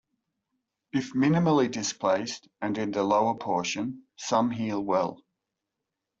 If minimally displaced, and in the lower portion, some heal well.